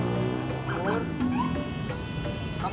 lupa ajaasting ya mak